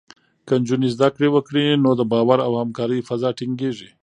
که نجونې زده کړه وکړي، نو د باور او همکارۍ فضا ټینګېږي.